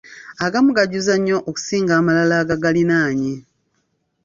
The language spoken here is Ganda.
Agamu gajjuza nnyo okusinga amalala agagaliraanye.